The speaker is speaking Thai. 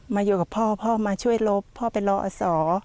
อยู่กับพ่อพ่อมาช่วยลบพ่อเป็นรออสอ